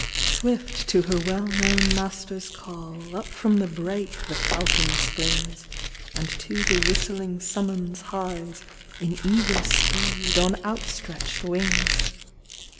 *' Swift to her well known master's call, Up from the brake the falcon springs, And to the whistling summons hies, In eager speed, on outstretch'd wings.